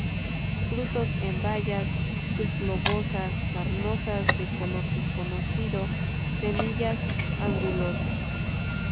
Frutos en bayas, subglobosas, carnosas, de color desconocido; semillas angulosas.